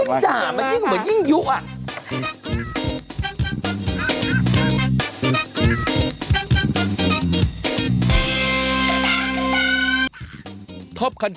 ด่ามันยิ่งเหมือนยิ่งยุอ่ะ